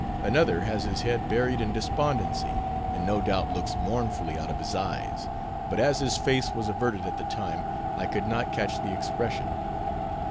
Another has his head buried in despondency, and no doubt looks mournfully out of his eyes, but as his face was averted at the time, I could not catch the expression.